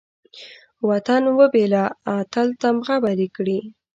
وطن وبېله، اتل تمغه به درکړي